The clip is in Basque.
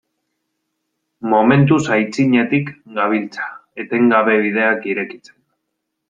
Momentuz aitzinetik gabiltza, etengabe bideak irekitzen.